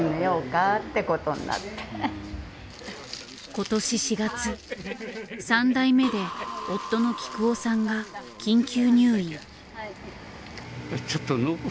今年４月３代目で夫の喜久夫さんが緊急入院。